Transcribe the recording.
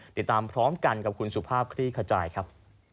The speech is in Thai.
ติดตามพร้อมกันกับคุณสุภาพคลี่ขจายครับ